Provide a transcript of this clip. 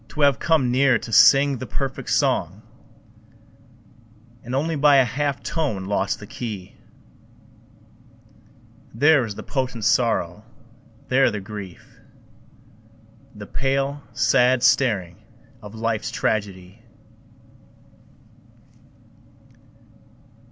To have come near to sing the perfect song And only by a half tone lost the key, There is the potent sorrow, there the grief, The pale, sad staring of life's tragedy.